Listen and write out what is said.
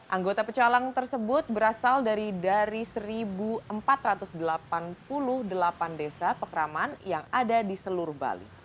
anggota pecalang tersebut berasal dari satu empat ratus delapan puluh delapan desa pekraman yang ada di seluruh bali